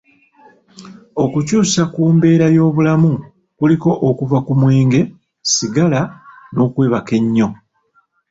Okukyusa mu mbeera y'obulamu kuliko okuva ku mwenge, sigala n'okwebaka ennyo.